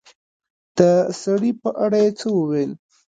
د سړي په اړه يې څه وويل